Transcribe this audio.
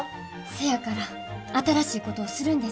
せやから新しいことをするんです。